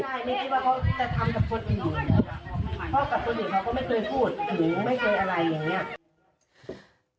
ใช่ไม่คิดว่าเขาจะทำกับคนอื่นเพราะกับคนอื่นเขาก็ไม่เคยพูดถึงไม่เคยอะไรอย่างเงี้ย